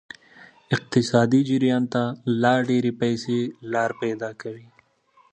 اقتصادي جریان ته لا ډیرې پیسې لار پیدا کوي.